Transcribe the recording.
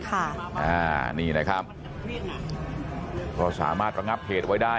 อ่านี่นะครับก็สามารถระงับเหตุไว้ได้